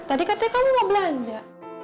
tadi katanya kamu nggak belanja